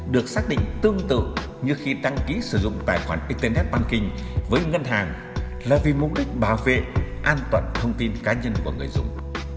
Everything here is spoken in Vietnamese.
được xác định tương tự như khi đăng ký sử dụng tài khoản internet banking với ngân hàng là vì mục đích bảo vệ an toàn thông tin cá nhân của người dùng